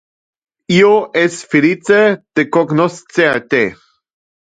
Io es felice de cognoscer te.